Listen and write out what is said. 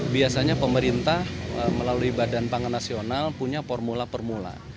biasanya pemerintah melalui badan pangan nasional punya formula formula